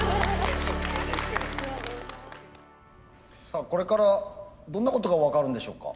さあこれからどんなことが分かるんでしょうか。